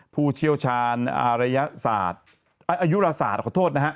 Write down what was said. ผู้เชียวชาญอายุราศาสตร์